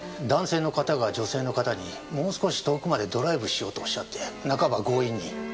男性の方が女性の方にもう少し遠くまでドライブしようとおっしゃって半ば強引に。